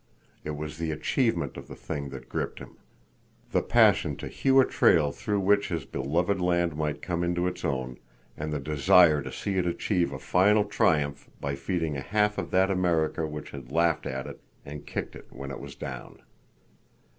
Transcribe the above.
It was the achievement of the thing that gripped him; the passion to hew a trail through which his beloved land might come into its own, and the desire to see it achieve a final triumph by feeding a half of that America which had laughed at it and kicked it when it was down.